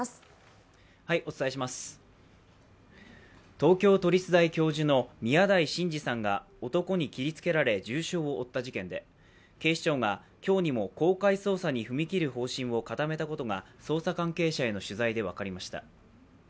東京都立大教授の宮台真司さんが男に切りつけられ、重傷を負った事件で、警視庁が今日にも公開捜査に踏み切る方針を固めたことが捜査関係者への取材で分かりました。